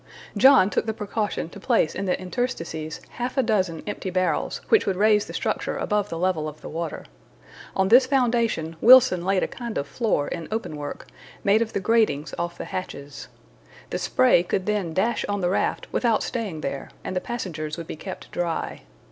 John took the precaution to place in the interstices half a dozen empty barrels, which would raise the structure above the level of the water. On this strong foundation, Wilson laid a kind of floor in open work, made of the gratings off the hatches. The spray could then dash on the raft without staying there, and the passengers would be kept dry.